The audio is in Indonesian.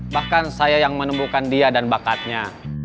bahkan saya yang menemukan dia dan bakatnya